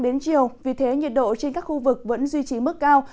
đến chiều vì thế nhiệt độ trên các khu vực vẫn duy trì mức cao